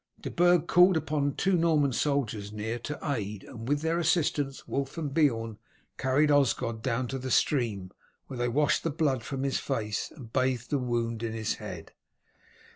De Burg called upon two Norman soldiers near to aid, and with their assistance Wulf and Beorn carried Osgod down to the stream, where they washed the blood from his face and bathed the wound in his head.